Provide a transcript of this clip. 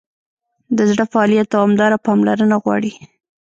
د زړه فعالیت دوامداره پاملرنه غواړي.